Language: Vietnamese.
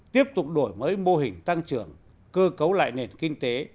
tiếp tục đổi mới mô hình tăng trưởng cơ cấu lại nền kinh tế